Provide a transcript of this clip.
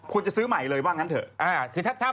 จะซื้อใหม่เลยว่างั้นเถอะ